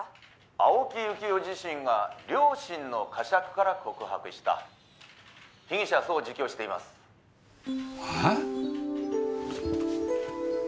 「青木由紀男自身が良心の呵責から告白した」「被疑者はそう自供しています」は？